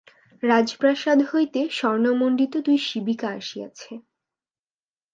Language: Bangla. রাজপ্রাসাদ হইতে স্বর্ণমণ্ডিত দুই শিবিকা আসিয়াছে।